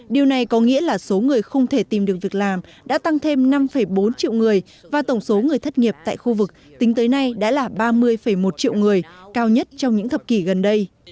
điều này có nghĩa là số người không thể tìm được việc làm đã tăng thêm năm bốn triệu người và tổng số người thất nghiệp tại khu vực tính tới nay đã là ba mươi một triệu người cao nhất trong những thập kỷ gần đây